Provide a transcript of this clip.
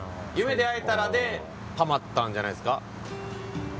『夢で逢えたら』でハマったんじゃないですか。